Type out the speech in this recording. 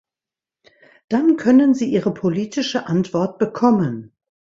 Dann können Sie Ihre politische Antwort bekommen.